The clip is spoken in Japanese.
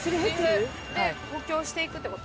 で補強していくって事？